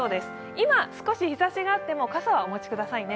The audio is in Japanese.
今少し日ざしがあっても、傘はお持ちくださいね。